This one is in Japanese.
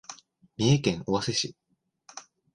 三重県尾鷲市